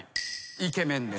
イケメンです。